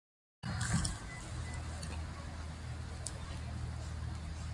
مطالعه د انسان په کلام کې تاثیر او په منطق کې قوت پیدا کوي.